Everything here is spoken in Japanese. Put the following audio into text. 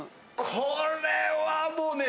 これはもうね。